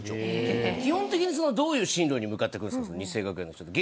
基本的にどういう進路に向かうんですか。